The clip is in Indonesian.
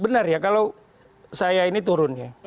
benar ya kalau saya ini turun ya